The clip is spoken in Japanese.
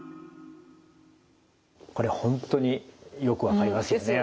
これ本当によく分かりますよね。